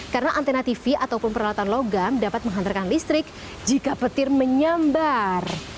karena antena tv ataupun peralatan logam dapat menghantarkan listrik jika petir menyambar